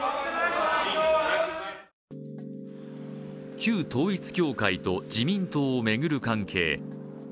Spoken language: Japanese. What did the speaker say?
旧統一教会と自民党を巡る関係。